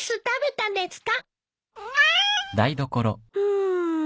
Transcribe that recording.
うん。